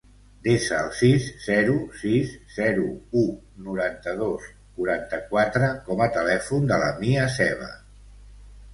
Desa el sis, zero, sis, zero, u, noranta-dos, quaranta-quatre com a telèfon de la Mia Seva.